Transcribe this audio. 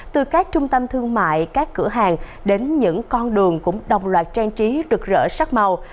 từ các trung tâm thương mại các cửa hàng đến những con đường cũng đồng loạt trang trí rực rỡ sắc màu